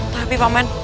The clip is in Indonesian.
tapi pak man